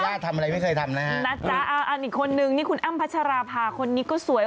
แสดตรงนี้แสดตรงนี้รู้เนี่ยหือปากเสีย